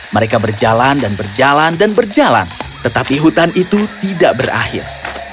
mereka berjalan dan berjalan dan berjalan tetapi hutan itu tidak berakhir